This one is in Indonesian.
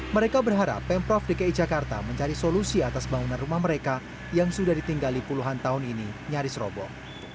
mereka berharap pemprov dki jakarta mencari solusi atas bangunan rumah mereka yang sudah ditinggali puluhan tahun ini nyaris roboh